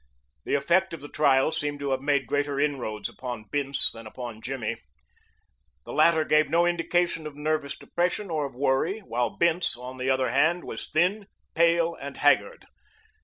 The effect of the trial seemed to have made greater inroads upon Bince than upon Jimmy. The latter gave no indication of nervous depression or of worry, while Bince, on the other hand, was thin, pale and haggard.